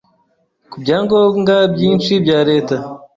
ku byangombwa byinshi bya Leta